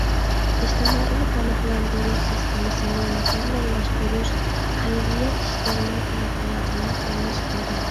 ئىجتىمائىي پاناھلاندۇرۇش سىستېمىسىنى مۇكەممەللەشتۈرۈش، خەيرىيەت ئىشلىرىنىڭ تەرەققىياتىنى قوللاش كېرەك.